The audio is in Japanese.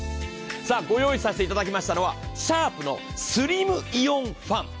ご用意させていただいたのはシャープのスリムイオンファン。